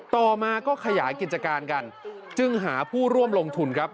ต่อมาก็ขยายกิจการกันจึงหาผู้ร่วมลงทุนครับ